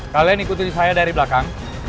kalian ikutin saya dari belakang